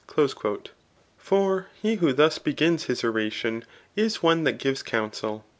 For he [who thus begins his oration] is one that gives counsel.